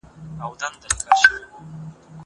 زه مکتب نه خلاصیږم!!